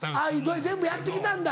全部やって来たんだ。